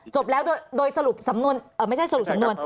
จบแล้วโดยสรุปสำนวนไม่ใช่สรุปสำนวน